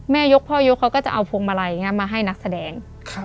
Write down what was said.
ยกพ่อยกเขาก็จะเอาพวงมาลัยมาให้นักแสดง